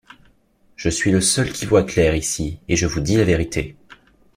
Je suis le seul qui voie clair ici, et je vous dis la vérité.